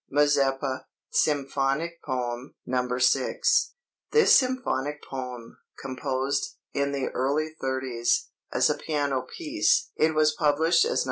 "MAZEPPA," SYMPHONIC POEM (No. 6) This symphonic poem, composed, in the early thirties, as a piano piece (it was published as No.